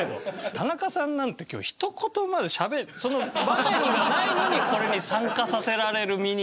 田中さんなんて今日ひと言もその場面がないのにこれに参加させられる身になりなよ